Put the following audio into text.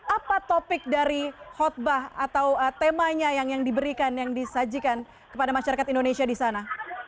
apa topik dari khutbah atau temanya yang diberikan yang disajikan kepada masyarakat indonesia di sana